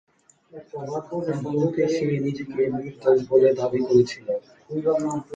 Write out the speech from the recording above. আদালতে সে নিজেকে নির্দোষ বলে দাবি করেছিল।